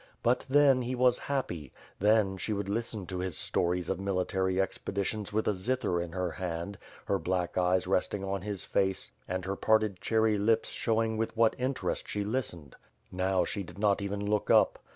But, then, he was happy; then, she would listen to his stories of military expeditions with a zither in her hand, her black eyes resting on his face and her parted cherry lips showing v/ith what interest she listened. Now, she did not even look up.